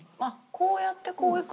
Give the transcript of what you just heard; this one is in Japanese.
こうやってこう？